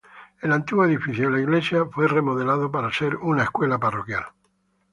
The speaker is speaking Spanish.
El antiguo edificio de la iglesia fue remodelado para ser una escuela parroquial.